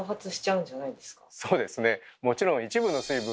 そうですね。